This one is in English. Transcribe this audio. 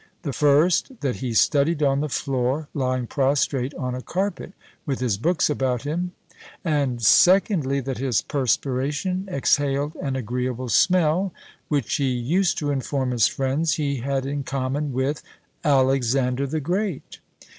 The first, that he studied on the floor, lying prostrate on a carpet, with his books about him; and, secondly, that his perspiration exhaled an agreeable smell, which he used to inform his friends he had in common with Alexander the Great!